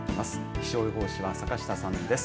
気象予報士は坂下さんです。